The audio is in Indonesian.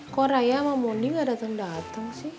kok raya sama bonding gak datang datang sih